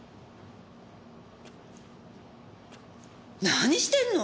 何してんの？